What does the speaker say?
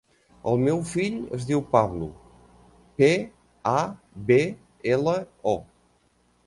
El meu fill es diu Pablo: pe, a, be, ela, o.